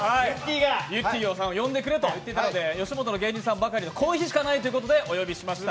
ゆってぃさんを呼んでくれと言われたので吉本の芸人さんのこの日しかないいうことでお呼びしました。